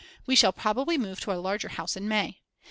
We shall probably move to a larger house in May.